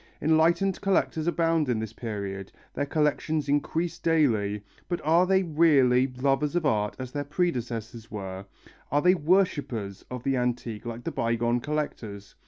Enlightened collectors abound in this period, their collections increase daily, but are they really lovers of art as their predecessors were, are they worshippers of the antique like the bygone collectors?